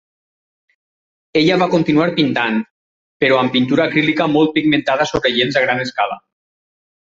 Ella va continuar pintant, però amb pintura acrílica molt pigmentada sobre llenç a gran escala.